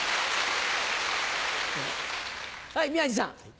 はい宮治さん。